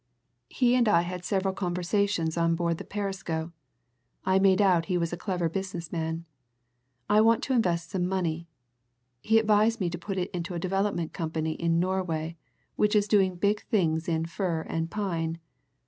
He and I had several conversations on board the Perisco I made out he was a clever business man. I want to invest some money he advised me to put it into a development company in Norway, which is doing big things in fir and pine.